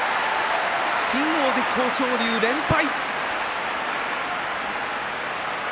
新大関豊昇龍、連敗。